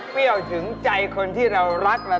เปรี้ยวมากเลยเหรอคะ